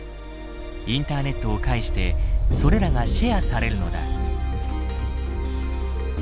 インターネットを介してそれらがシェアされるのだ。